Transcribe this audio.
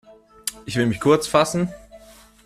Ich will mich kurz fassen.